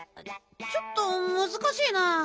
ちょっとむずかしいな。